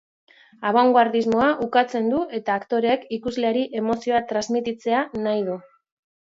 Abangoardismoa ukatzen du eta aktoreek ikusleari emozioa transmititzea nahi du.